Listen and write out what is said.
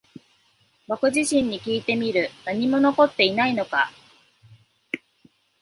僕自身にきいてみる。何も残っていないのか？